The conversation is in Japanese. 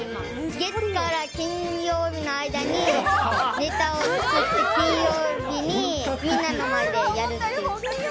月から金曜日の間にネタを作って、金曜日にみんなの前でやるっていう。